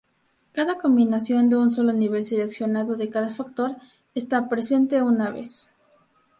Cada combinación de un solo nivel seleccionado de cada factor está presente una vez.